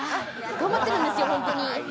頑張ってるんですよ、本当に。